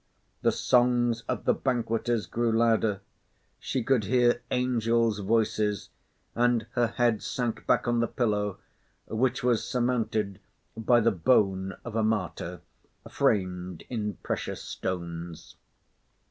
The songs of the banqueters grew louder. She could hear angels' voices, and her head sank back on the pillow, which was surmounted by the bone of a martyr, framed in precious stones.